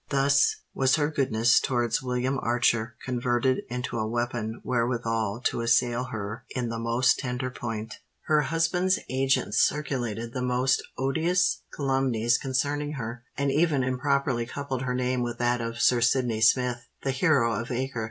Thus was her goodness towards William Archer converted into a weapon wherewithal to assail her in the most tender point. Her husband's agents circulated the most odious calumnies concerning her, and even improperly coupled her name with that of Sir Sydney Smith, the hero of Acre.